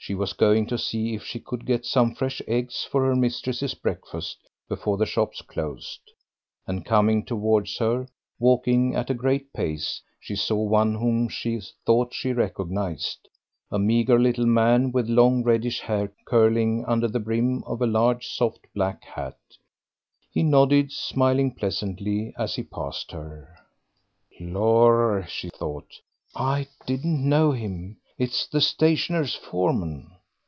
She was going to see if she could get some fresh eggs for her mistress's breakfast before the shops closed, and coming towards her, walking at a great pace, she saw one whom she thought she recognised, a meagre little man with long reddish hair curling under the brim of a large soft black hat. He nodded, smiling pleasantly as he passed her. "Lor'," she thought, "I didn't know him; it's the stationer's foreman."